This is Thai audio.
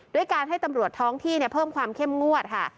ด้วยการให้ตำรวจท้องที่เพิ่มความเข้มงวดค่ะ